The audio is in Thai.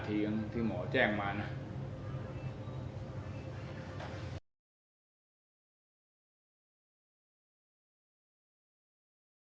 โปรดติดตามตอนต่อไป